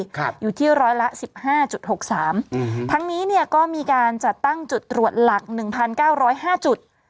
ครับอยู่ที่ร้อยละสิบห้าจุดหกสามอืมทั้งนี้เนี้ยก็มีการจัดตั้งจุดตรวจหลักหนึ่งพันเก้าร้อยห้าจุด